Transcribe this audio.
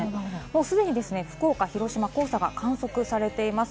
すでに福岡、広島、黄砂が観測されています。